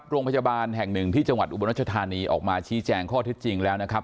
โรงพยาบาลแห่งหนึ่งที่จังหวัดอุบลรัชธานีออกมาชี้แจงข้อเท็จจริงแล้วนะครับ